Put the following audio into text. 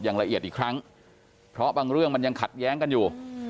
อย่างละเอียดอีกครั้งเพราะบางเรื่องมันยังขัดแย้งกันอยู่